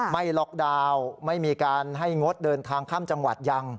ไม่ล็อกดาวน์ไม่มีการให้งดเดินทางข้ามจังหวัดยัง